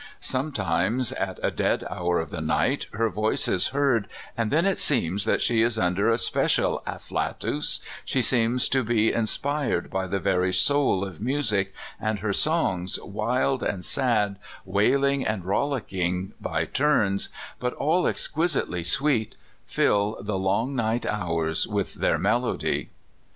Sometimes at a dead hour of the night her voice is heard, and then it seems that she is under a special ajflatus — she seems to be in spired by the very soul of music, and her songs, wild and sad, wailing and rollicking, by turns, but all exquisitely sweet, fill the long night hours with their melody."